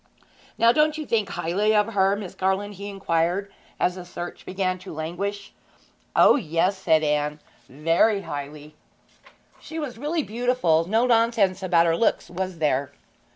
'Now, didn't you think highly of her, Miss Garland?' he inquired, as the search began to languish. 'O yes,' said Anne, 'very highly.' 'She was really beautiful; no nonsense about her looks, was there?'